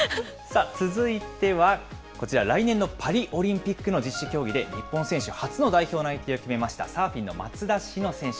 続いてはこちら、来年のパリオリンピックの実施競技で、日本選手初の代表内定を決めました、サーフィンの松田詩野選手。